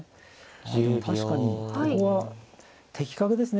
あでも確かにここは的確ですね。